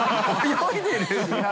「泳いでる」